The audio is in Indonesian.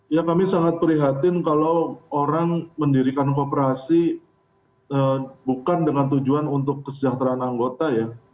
ya kami sangat prihatin kalau orang mendirikan kooperasi bukan dengan tujuan untuk kesejahteraan anggota ya